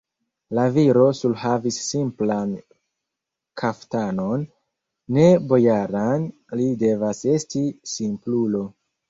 La viro surhavis simplan kaftanon, ne bojaran, li devas esti simplulo!